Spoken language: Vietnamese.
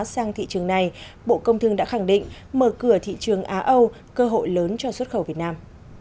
sang thị trường này bộ công thương đã khẳng định mở cửa thị trường á âu cơ hội lớn cho xuất khẩu việt nam